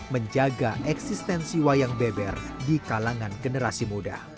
menjaga eksistensi wayang beber di kalangan generasi muda